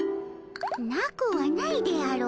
なくはないであろう。